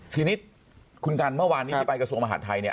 ทีนี้คุณกัลเมื่อวานไปกระทรวงมหาธนไทยเนี่ย